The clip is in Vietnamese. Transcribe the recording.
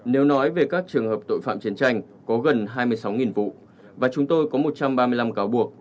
nếu nói về các trường hợp tội phạm chiến tranh có gần hai mươi sáu vụ và chúng tôi có một trăm ba mươi năm cáo buộc